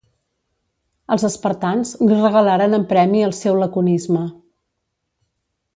els espartans li regalaren en premi al seu laconisme